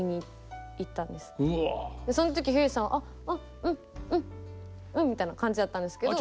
その時ひゅーいさんはああうんうんうんみたいな感じだったんですけど。